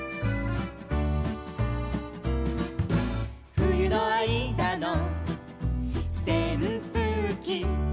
「ふゆのあいだのせんぷうき」